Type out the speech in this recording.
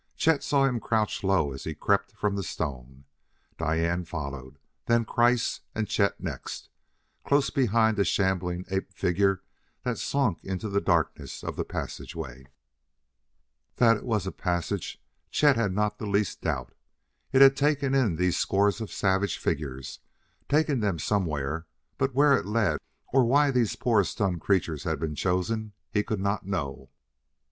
Chet saw him crouch low as he crept from the stone. Diane followed, then Kreiss; and Chet next, close behind a shambling ape figure that slunk into the darkness of the passageway. That it was a passage Chet had not the least doubt. It had taken in these scores of savage figures, taken them somewhere; but where it led or why these poor stunned creatures had been chosen he could not know.